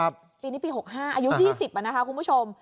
ปีนี้ปี๖๕อายุ๒๐นะคะคุณผู้ชม